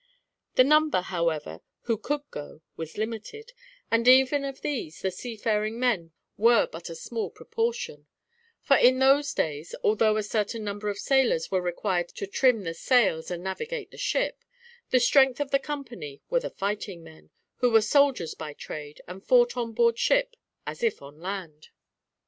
The number, however, who could go was limited, and even of these the seafaring men were but a small proportion; for in those days, although a certain number of sailors were required to trim the sails and navigate the ship, the strength of the company were the fighting men, who were soldiers by trade, and fought on board ship as if on land.